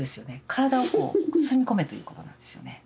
体を包み込めということなんですよね。